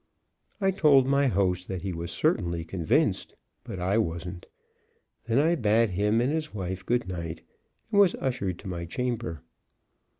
I told my host that he was certainly convinced, but I wasn't. I then bade him and his wife good night, and was ushered to my chamber.